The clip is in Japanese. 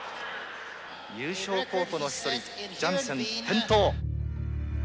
優勝候補の一人ジャンセン転倒。